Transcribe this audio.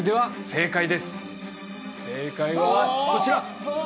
正解はこちら！